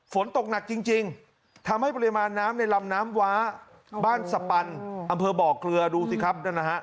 ฝนตกหนักจริงทำให้ปริมาณน้ำในลำน้ำว้าบ้านสปันอำเภอบ่อเกลือดูสิครับนั่นนะฮะ